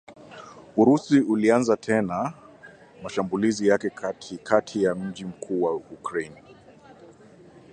Urusi ilianza tena mashambulizi yake kati kati ya mji mkuu wa Ukraine